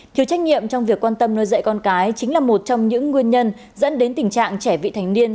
thiếu trách nhiệm trong việc quan tâm nuôi dạy con cái chính là một trong những nguyên nhân dẫn đến tình trạng trẻ vị thành niên